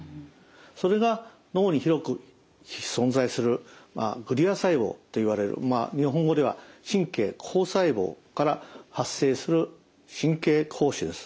それが脳に広く存在するグリア細胞といわれる日本語では神経膠細胞から発生する神経膠腫です。